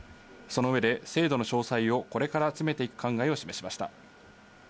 その上で、制度の詳細をこれから詰めていく考えを示しました。